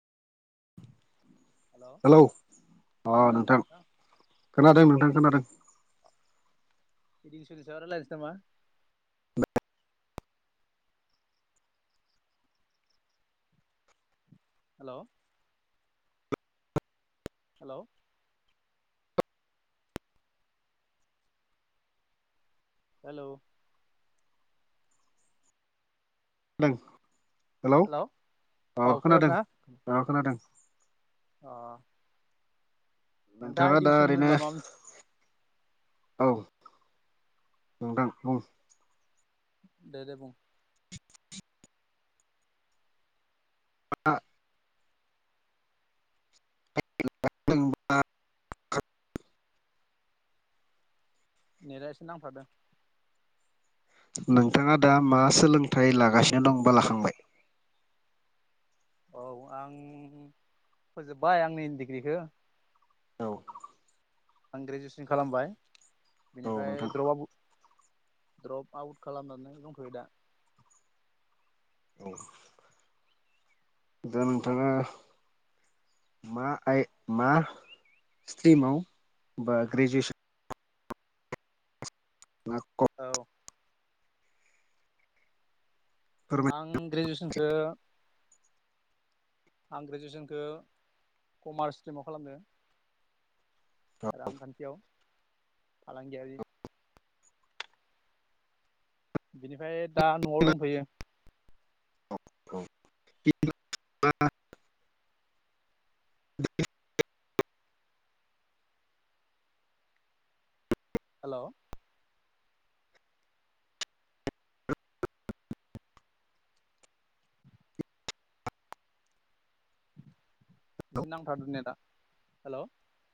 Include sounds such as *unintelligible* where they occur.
hello अ खोनादों ना खोनादों नोंथां खोनादों बिदस सायाव रायलायनोसैनामा हेलौ होलौ हेलौ दों हेलौ हेल' अ औ खोनादों खोनादोंना अ खोनादों अ नोंथाङा दा इडुकेसन ओरैनो होनोब्ला मा मोन औ नोंदां बुं दे दे बुं ह *inaudible* *inaudible* नेेदा एसे नांथादों नोंथाङा दा मा सोलोंथाइ लागासिनो दंबा लाखांबाय *unintelligible* औ आं फोजोब्बाय आंनि डिग्रिखौ औ आं ग्रेजुवेसन खालामबाय औ बिनिफ्राय नोंथां द्रपआ द्रप आउट खालामनानै दंफ'यो दा औ दा नोंथाङा मा आइ मा स्ट्रिमाव बा ग्रेजुवेसन लाख औ फोरमाय आं ग्रेजुवेसनखो आं ग्रेजुवेसनखो कमार्स स्ट्रिमाव खालामदो रांखान्थियाव फालांगियारि बिनिफ्राय दा न'आव दंथ'यो *unintelligible* हेल' एसे नांथादो नेदा हेल'